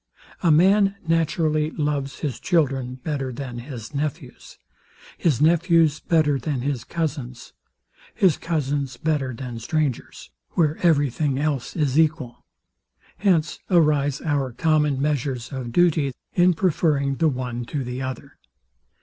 A man naturally loves his children better than his nephews, his nephews better than his cousins, his cousins better than strangers, where every thing else is equal. Hence arise our common measures of duty, in preferring the one to the other.